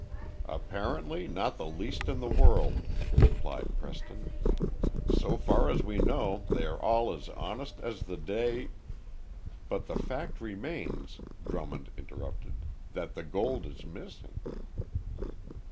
"Apparently not the least in the world," replied Preston. "So far as we know they are all as honest as the day " "But the fact remains," Drummond interrupted, "that the gold is missing."